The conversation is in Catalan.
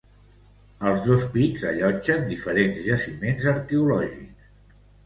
Els dos pics allotgen diferents jaciments arqueològics.